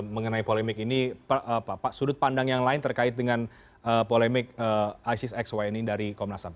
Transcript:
mengenai polemik ini sudut pandang yang lain terkait dengan polemik isis x y n i dari komnas sam